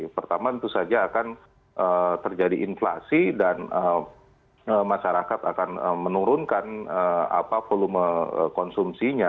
pertama tentu saja akan terjadi inflasi dan masyarakat akan menurunkan volume konsumsinya